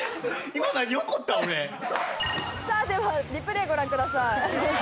さあではリプレイご覧ください。